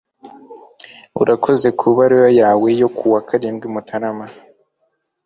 urakoze kubaruwa yawe yo kuwa karindwi mutarama